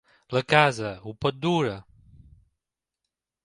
La casa ho pot dur.